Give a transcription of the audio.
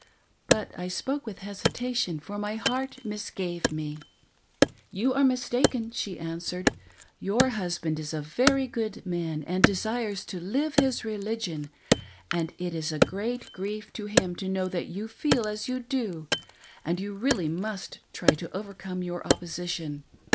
But I spoke with hesitation, for my heart misgave me. "You are mistaken ;" she answered, "your husband is a very good man and desires to live his religion, and it is a great grief to him to know that you fed as you do, and you really must try to overcome your opposition.